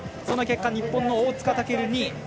その結果、日本の大塚健２位。